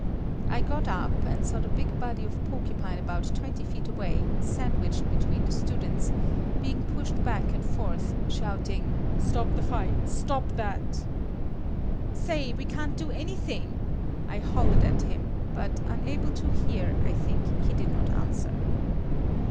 I got up, and saw the big body of Porcupine about twenty feet away, sandwiched between the students, being pushed back and forth, shouting, "Stop the fight! Stop that!" "Say, we can't do anything!" I hollered at him, but unable to hear, I think, he did not answer.